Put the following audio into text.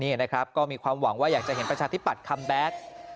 นี่นะครับก็มีความหวังว่าอยากจะเห็นประชาธิปัตยคัมแบ็ค